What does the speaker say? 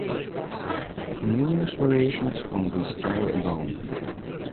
Numerous variations on this story abound.